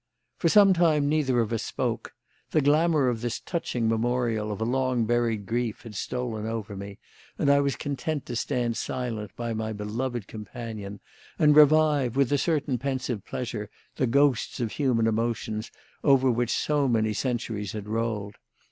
For some time neither of us spoke. The glamour of this touching memorial of a long buried grief had stolen over me, and I was content to stand silent by my beloved companion and revive, with a certain pensive pleasure, the ghosts of human emotions over which so many centuries had rolled.